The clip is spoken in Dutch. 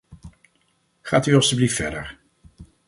Gaat u alstublieft verder.